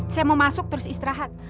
saya mau masuk terus istirahat